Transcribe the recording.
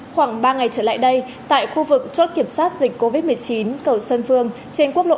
khoảng ba ngày trở lại đây tại khu vực chốt kiểm soát dịch covid một mươi chín cầu xuân phương trên quốc lộ